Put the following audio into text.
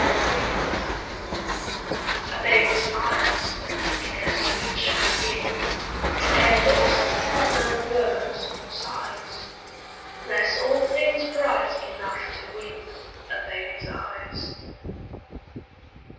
III. A baby's eyes, ere speech begin, Ere lips learn words or sighs, Bless all things bright enough to win A baby's eyes.